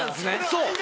そう！